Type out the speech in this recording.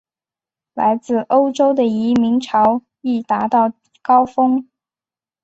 来自欧洲的移民潮亦达到高峰。